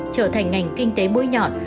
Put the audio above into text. trở thành ngành kinh tế mũi nhọn